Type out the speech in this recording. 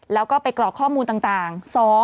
แล้วก็ไปกรอกข้อมูลต่าง